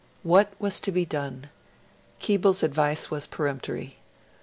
What was to be done? Keble's advice was peremptory.